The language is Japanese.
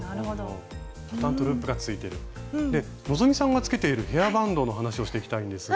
で希さんがつけているヘアバンドの話をしていきたいんですが。